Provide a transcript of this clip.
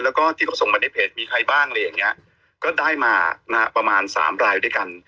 แล้วก็ที่เขาส่งมาในเพจมีใครบ้างอะไรอย่างเงี้ยก็ได้มานะฮะประมาณสามรายด้วยกัน